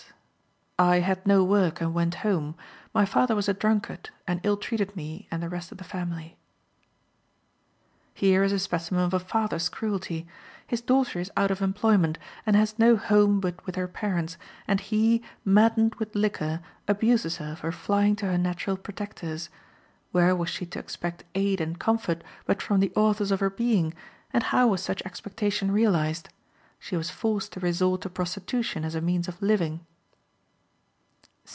"I had no work, and went home. My father was a drunkard, and ill treated me and the rest of the family." Here is a specimen of a father's cruelty. His daughter is out of employment, and has no home but with her parents, and he, maddened with liquor, abuses her for flying to her natural protectors. Where was she to expect aid and comfort but from the authors of her being, and how was such expectation realized? She was forced to resort to prostitution as a means of living.